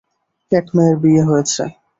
এক মেয়ের বিয়ে হয়েছে।